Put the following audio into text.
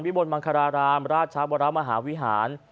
บรมังคารารามราชวรมหาวิหาร